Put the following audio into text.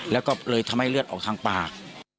แล้วก็เลยทำให้เลือดออกทางปาก